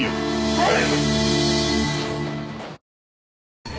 はい。